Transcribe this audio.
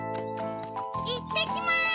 いってきます！